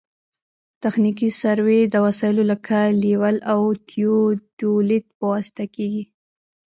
تخنیکي سروې د وسایلو لکه لیول او تیودولیت په واسطه کیږي